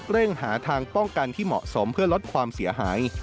เร่งหาทางป้องกันที่เหมาะสมเพื่อลดความเสียหาย